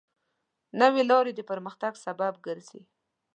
نوې لارې د پرمختګ سبب ګرځي.